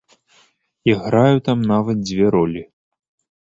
Я граю там нават дзве ролі.